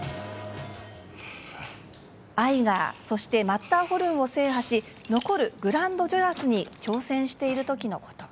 アイガー、そしてマッターホルンを制覇し残るグランドジョラスに挑戦しているときのこと。